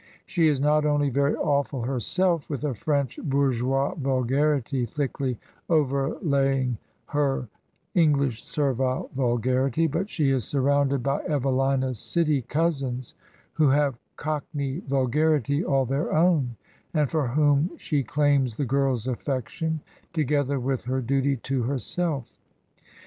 She is not only very awful herself, with a French bourgeois vulgarity thickly overlaying her English servile vulgarity, but she is surrounded by Evelina's city cousins, who have a cock ney vulgarity all their own, and for whom she claims the girl's ajBPection, together with her duty to her self.